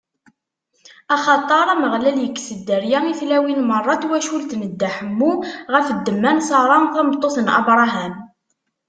Axaṭer Ameɣlal ikkes dderya i tlawin meṛṛa n twacult n Dda Ḥemmu ɣef ddemma n Ṣara, tameṭṭut n Abṛaham.